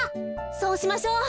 そうしましょう。